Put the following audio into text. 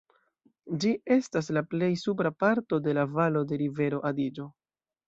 Ĝi estas la plej supra parto de la valo de rivero Adiĝo.